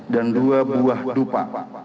dan dua buah dupa